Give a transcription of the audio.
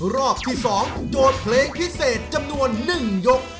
รอบที่๒โจทย์เพลงพิเศษจำนวน๑ยก